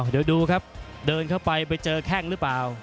เดี๋ยวดูครับเดินเข้าไปไปเจอแข้งหรือเปล่า